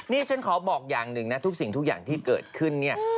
นี่ฉันขอบอกอย่างหนึ่งนะทุกสิ่งทุกอย่างที่เกิดขึ้นเนี่ย